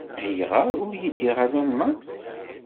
Ayɣer ur yeddi ɣer Lalman?